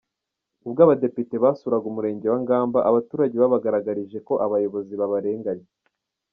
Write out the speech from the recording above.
Ubwo abadepite basuraga Umurenge wa Ngamba, abaturage babagaragarije ko hari abayobozi babarenganya.